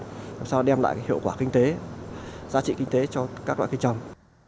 làm sao đem lại hiệu quả kinh tế giá trị kinh tế cho các loại cây trồng